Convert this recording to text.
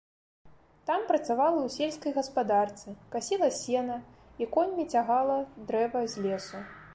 Там працавала ў сельскай гаспадарцы, касіла сена і коньмі цягала дрэва з лесу.